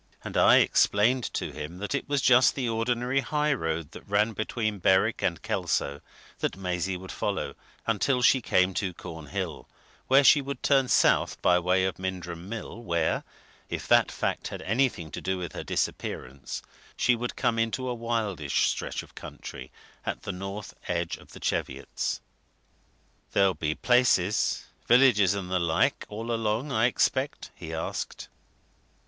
And I explained to him that it was just the ordinary high road that ran between Berwick and Kelso that Maisie would follow, until she came to Cornhill, where she would turn south by way of Mindrum Mill, where if that fact had anything to do with her disappearance she would come into a wildish stretch of country at the northern edge of the Cheviots. "There'll be places villages and the like all along, I expect?" he asked.